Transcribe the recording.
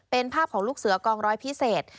เป็นภาพของลูกเสือกองร้อยพิเศษ